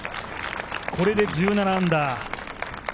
これで１７アンダー。